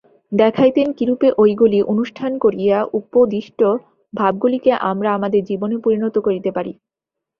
দেখাইতেন, কিরূপে ঐগুলি অনুষ্ঠান করিয়া উপদিষ্ট ভাবগুলিকে আমরা আমাদের জীবনে পরিণত করিতে পারি।